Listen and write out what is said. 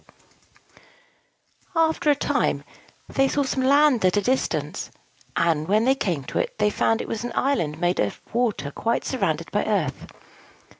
After a time, they saw some land at a distance; and, when they came to it, they found it was an island made of water quite surrounded by earth.